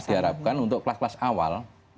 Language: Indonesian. diharapkan untuk kelas kelas awal